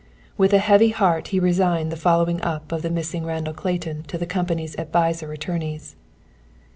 With a heavy heart he resigned the following up of the missing Randall Clayton to the company's advisory attorneys.